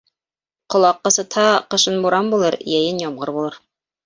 Колаҡ ҡысытһа, ҡышын буран булыр, йәйен ямғыр булыр.